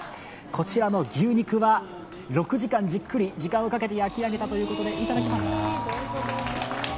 こちらの牛肉は６時間じっくり時間をかけて焼き上げたということでいただきます。